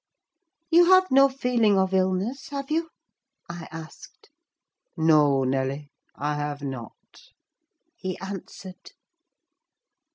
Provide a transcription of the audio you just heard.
"You have no feeling of illness, have you?" I asked. "No, Nelly, I have not," he answered.